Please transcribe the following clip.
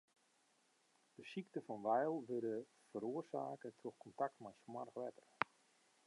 De sykte fan Weil wurdt feroarsake troch kontakt mei smoarch wetter.